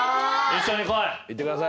一緒に来い。